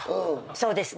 そうですね。